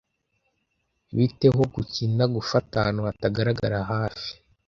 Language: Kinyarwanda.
Bite ho gukina gufata ahantu hatagaragara hafi?